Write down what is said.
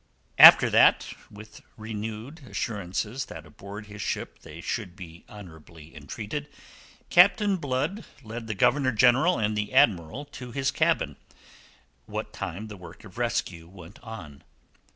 After that, with renewed assurances that aboard his ship they should be honourably entreated, Captain Blood led the Governor General and the Admiral to his cabin, what time the work of rescue went on.